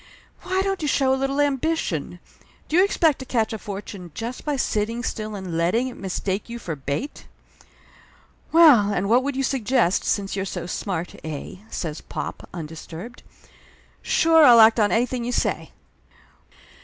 Why don't you show a little ambition? Do you expect to catch a fortune just by sitting still and letting it mistake you for bait?" "Well, and what would you suggest, since you're so smart, eh?" says pop, undisturbed. "Sure, I'll act on anything you say